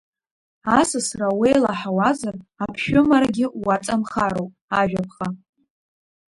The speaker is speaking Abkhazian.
Асасра уеилаҳауазар аԥшәымарагьы уаҵамхароуп Ажәаԥҟа…